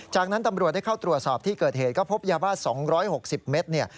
จากนั้นตำรวจได้เข้าตรวจสอบที่เกิดเหตุก็พบยาบ้า๒๖๐เมตรเนี่ย